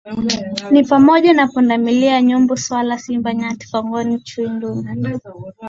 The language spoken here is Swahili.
ni pamoja na punda milia nyumbu swala simba nyati kongoni chui duma